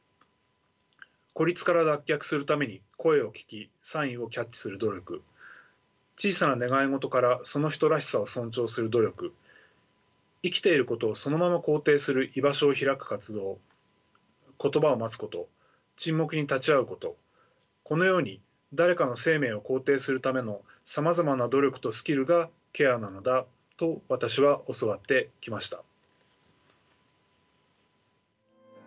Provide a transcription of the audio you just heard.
孤立から脱却するために声を聞きサインをキャッチする努力小さな願い事からその人らしさを尊重する努力生きていることをそのまま肯定する居場所を開く活動言葉を待つこと沈黙に立ち会うことこのように誰かの生命を肯定するためのさまざまな努力とスキルがケアなのだと私は教わってきました。